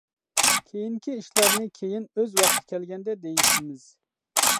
كېيىنكى ئىشلارنى كېيىن ئۆز ۋاقتى كەلگەندە دېيىشىمىز.